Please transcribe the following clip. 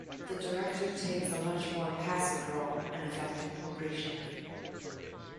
The Director takes a much more passive role in affecting Poprishchin.